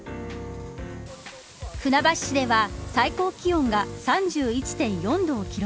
船橋市では最高気温が３１．４度を記録。